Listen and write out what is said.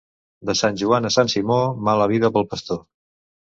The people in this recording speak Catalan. De Sant Joan a Sant Simó, mala vida pel pastor.